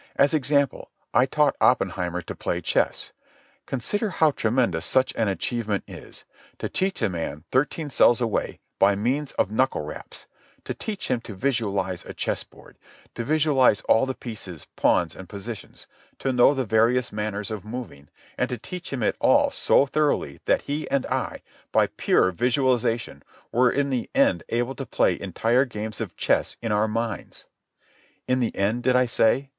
As example, I taught Oppenheimer to play chess. Consider how tremendous such an achievement is—to teach a man, thirteen cells away, by means of knuckle raps; to teach him to visualize a chessboard, to visualize all the pieces, pawns and positions, to know the various manners of moving; and to teach him it all so thoroughly that he and I, by pure visualization, were in the end able to play entire games of chess in our minds. In the end, did I say?